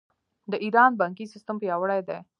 د ایران بانکي سیستم پیاوړی دی.